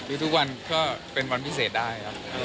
อีกทุกวันเป็นวันพิเศษได้